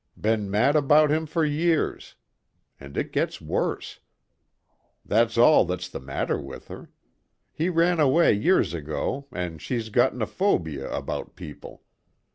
Been mad about him for years. And it gets worse ... that's all that's the matter with her. He ran away years ago and she's gotten a phobia about people.